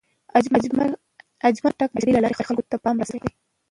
اجمل خټک د شاعرۍ له لارې خلکو ته پیام رسولی.